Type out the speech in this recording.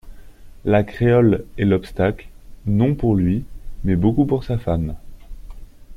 La créole est l'obstacle, non pour lui, mais beaucoup pour sa femme.